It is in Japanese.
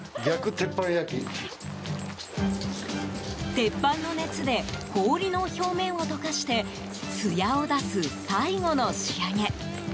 鉄板の熱で氷の表面を溶かしてツヤを出す最後の仕上げ。